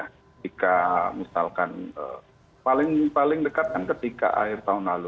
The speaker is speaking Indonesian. ketika misalkan paling dekat kan ketika akhir tahun lalu